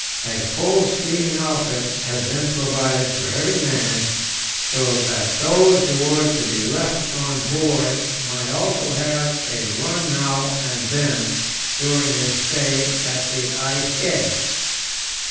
A full skiing outfit had been provided for every man, so that those who were to be left on board might also have a run now and then during their stay at the ice edge.